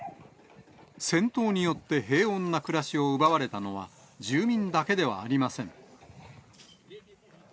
戦闘によって平穏な暮らしを奪われたのは住民だけではありません。